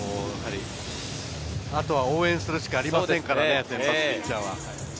あとは応援するしかありませんからね、先発ピッチャーは。